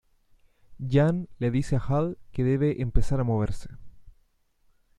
Jan le dice a Hall que debe empezar a moverse.